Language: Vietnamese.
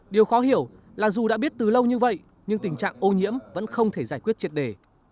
điều khó hiểu là dù đã biết từ lâu như vậy nhưng tình trạng ô nhiễm vẫn không thể giải quyết triệt đề